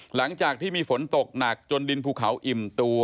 หลังจากที่มีฝนตกหนักจนดินภูเขาอิ่มตัว